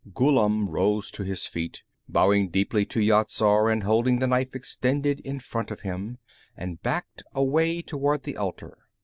Ghullam rose to his feet, bowing deeply to Yat Zar and holding the knife extended in front of him, and backed away toward the altar.